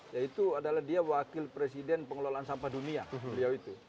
yaitu adalah dia wakil presiden pengelolaan sampah dunia beliau itu